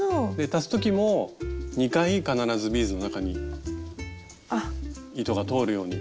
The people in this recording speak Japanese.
足す時も２回必ずビーズの中に糸が通るように。